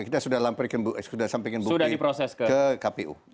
kita sudah sampaikan bukti ke kpu